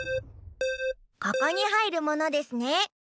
ここにはいるものですね。